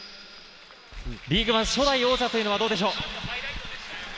リーグワン初代王者はどうでしょう。